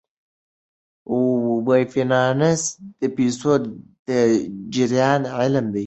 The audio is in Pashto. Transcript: فینانس د پیسو د جریان علم دی.